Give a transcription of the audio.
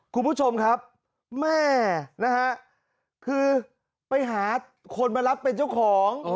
คุณผู้ชมครับแม่นะฮะคือไปหาคนมารับเป็นเจ้าของ